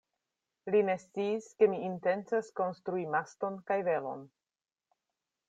Li ne sciis, ke mi intencas konstrui maston kaj velon.